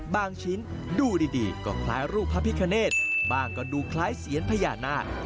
ชิ้นดูดีก็คล้ายรูปพระพิคเนธบ้างก็ดูคล้ายเสียนพญานาค